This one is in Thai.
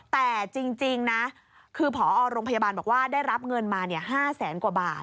แต่จริงนะคือผอโรงพยาบาลบอกว่าได้รับเงินมา๕แสนกว่าบาท